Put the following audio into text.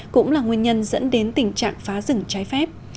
cũng là nguyên nhân dẫn đến tình trạng phá rừng trái phép